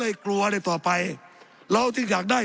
สับขาหลอกกันไปสับขาหลอกกันไป